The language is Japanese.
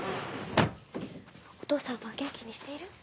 お父さんは元気にしている？